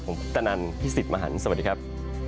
ผมพุทธนันพี่สิทธิ์มหันฯสวัสดีครับ